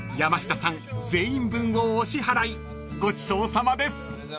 ごちそうさまです